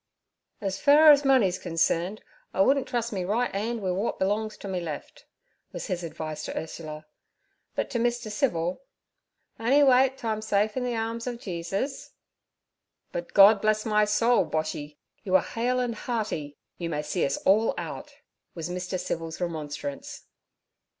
'As fer ez money's concerned, I wudn't trus' me right 'and wi' wot belongs to me left' was his advice to Ursula. But to Mr. Civil, 'On'y wait t' I'm safe in ther arms ov Jeesis.' 'But God bless my soul, Boshy! you are hale and hearty. You may see us all out' was Mr. Civil's remonstrance.